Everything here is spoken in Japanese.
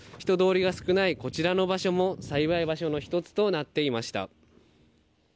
人通りが少ないこちらの場所も栽培場所の１つとなっていました。